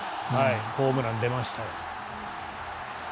ホームラン、出ました。